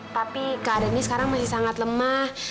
tapi keadaannya sekarang masih sangat lemah